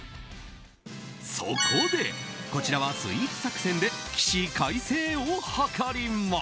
そこで、こちらはスイーツ作戦で起死回生を図ります。